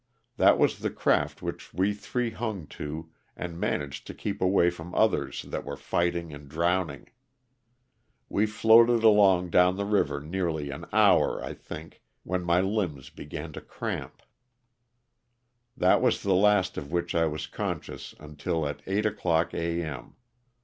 That was the craft which we three hung to and managed to keep away from others that were fighting and drowning. We floated along down the river nearly an hour I think when my limbs began to cramp; that LOSS OF THE SULTANA. 31 was the last of which I was conscious until at eight o'clock A. M.